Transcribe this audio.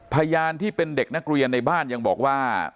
พยานที่เป็นเด็กนักเรียนในบ้านยังบอกว่า